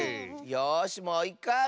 よしもういっかい！